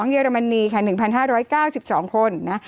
๒เยอรมนี๑๕๙๒คน